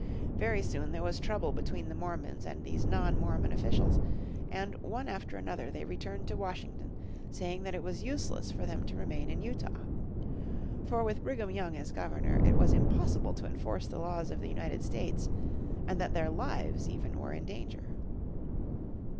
Very soon there was trouble between the Mormons and these non Mormon officials and, one after another, they returned to Washington saying that it was useless for them to remain in Utah. For with Brigham Young as governor it was impossible to enforce the laws of the United States, and that their lives even were in danger.